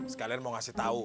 sekalian mau ngasih tau